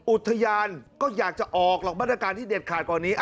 อุทยานก็อยากจะออกหรอกมาตรการที่เด็ดขาดกว่านี้